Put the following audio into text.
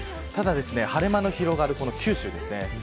ただ、晴れ間の広がる九州ですね。